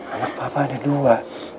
anak papa ada dua